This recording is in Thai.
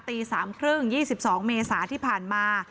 ตีสามครึ่ง๒๒เมษาที่ผ่านมา